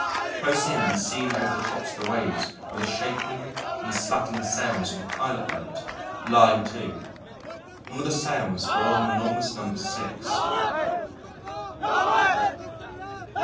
Close in and seen over the tops of the waves were the shaking and slatting sails of a pilot boat, lying to. One of the sails bore an enormous number six.